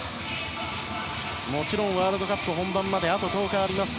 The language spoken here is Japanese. もちろん、ワールドカップ本番まであと１０日あります。